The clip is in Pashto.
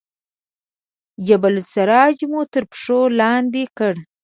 جبل السراج مو تر پښو لاندې کړ.